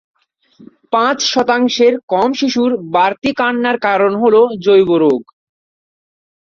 পাঁচ শতাংশের কম শিশুর বাড়তি কান্নার কারণ হল জৈব রোগ।